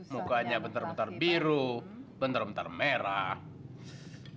mukanya bentar bentar biru benar bentar merah